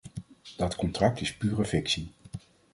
Dat contract is pure fictie.